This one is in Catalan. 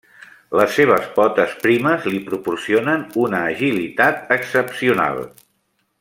Les seves potes primes li proporcionen una agilitat excepcional.